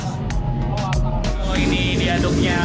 ini diaduknya manual pakai tangan sangat amat menyita waktu jadi untuk bagian